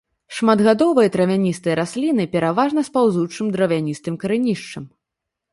Шматгадовыя травяністыя расліны пераважна з паўзучым дравяністым карэнішчам.